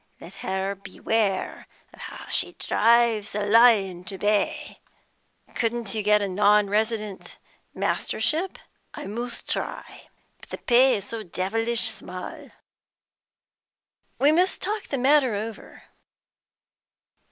Let her beware how she drives the lion to bay!" "Couldn't you get a non resident mastership?" "I must try, but the pay is so devilish small." "We must talk the matter over."